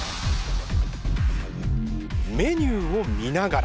メニューを見ながら。